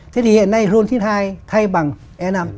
thế thì hiện nay rôn chín mươi hai thay bằng e năm